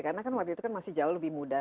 karena kan waktu itu kan masih jauh lebih muda